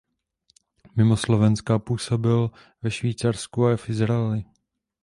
Mimo Slovenska působil ve Švýcarsku a v Izraeli.